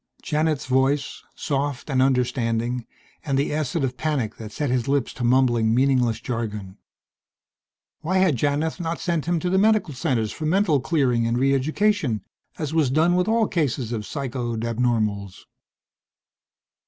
Janith's voice, soft and understanding, and the acid of panic that set his lips to mumbling meaningless jargon.... Why had Janith not sent him to the medical centers for mental clearing and re education as was done with all cases of psychoed abnormals?